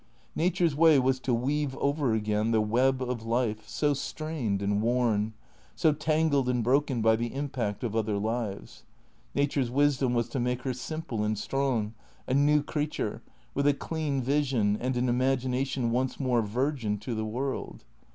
Na ture's way was to weave over again the web of life so strained and worn, so tangled and broken by the impact of other lives. Nature's wisdom was to make her simple and strong, a new creature, with a clean vision and an imagination once more virgin to the world.